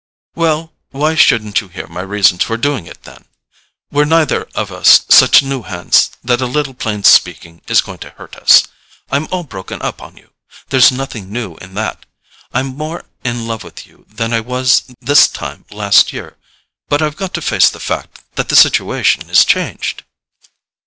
"Well—why shouldn't you hear my reasons for doing it, then? We're neither of us such new hands that a little plain speaking is going to hurt us. I'm all broken up on you: there's nothing new in that. I'm more in love with you than I was this time last year; but I've got to face the fact that the situation is changed."